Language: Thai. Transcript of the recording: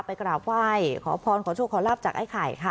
กราบไหว้ขอพรขอโชคขอลาบจากไอ้ไข่ค่ะ